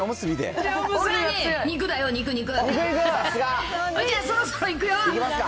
じゃあ、そろそろいくよ。